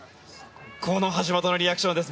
この橋本のリアクションです。